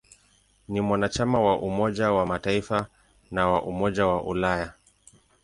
Ni mwanachama wa Umoja wa Mataifa na wa Umoja wa Ulaya.